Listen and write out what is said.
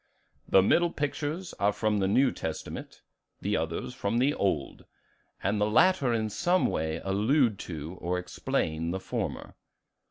"The middle pictures are from the New Testament, the others from the Old; and the latter in some way allude to or explain the former."